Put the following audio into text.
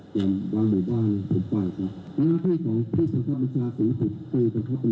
การทีทำอะไรก็